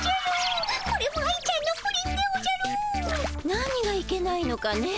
何がいけないのかね。